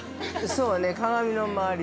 ◆そうね、鏡の周り